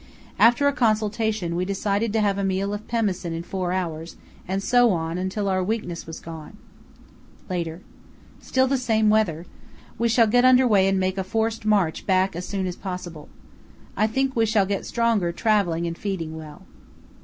After a consultation we decided to have a meal of pemmican in four hours, and so on, until our weakness was gone. Later.—Still the same weather. We shall get under way and make a forced march back as soon as possible. I think we shall get stronger travelling and feeding well.